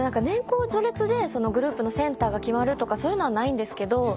年功序列でグループのセンターが決まるとかそういうのはないんですけど。